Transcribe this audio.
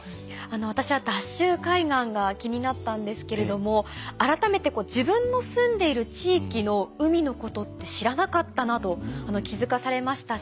私はＤＡＳＨ海岸が気になったんですけれども改めて自分の住んでいる地域の海のことって知らなかったなと気付かされましたし